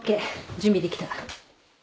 準備できた。